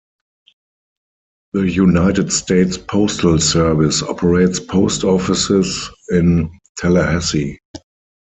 The United States Postal Service operates post offices in Tallahassee.